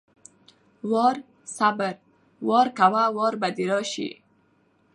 وار=صبر، وار کوه وار به دې راشي!